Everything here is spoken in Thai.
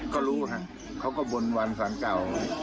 ก็รู้ค่ะเขาก็บนวันสารเก่า